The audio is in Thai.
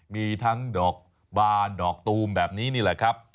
มีทั้งดอกบานดอกตูมแบบนี้นี่แหละครับ